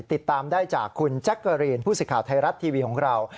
ติดตามได้จากคุณแจ๊กเกอรีนผู้สิทธิ์ไทยรัฐทีวีของเรา